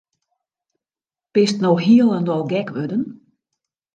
Bist no hielendal gek wurden?